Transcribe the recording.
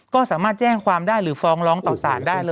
ก็สามารถแจ้งความได้หรือฟ้องร้องต่อสารได้เลย